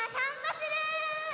する！